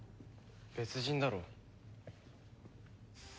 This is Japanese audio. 別人だろ。